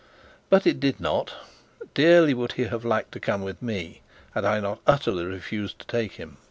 But it did not. Dearly would he have liked to come with me, had I not utterly refused to take him.